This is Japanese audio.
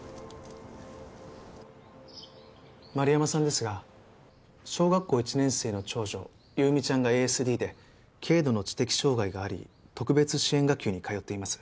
丸山さんですが小学校１年生の長女優実ちゃんがＡＳＤで軽度の知的障害があり特別支援学級に通っています。